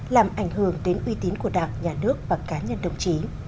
làm ảnh hưởng đến uy tín của đảng nhà nước và cá nhân đồng chí